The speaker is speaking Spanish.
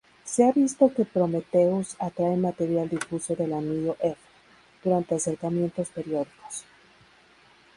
Se ha visto que Prometheus atrae material difuso del anillo F durante acercamientos periódicos.